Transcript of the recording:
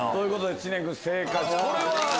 知念君正解です！